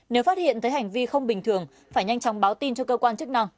nếu phát hiện thấy hành vi không bình thường phải nhanh chóng báo tin cho cơ quan chức năng